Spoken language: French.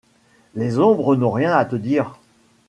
Les ombres n'ont rien à te dire.